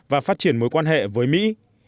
và phát triển mối quan hệ với mỹ